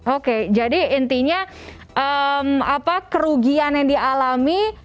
oke jadi intinya kerugian yang dialami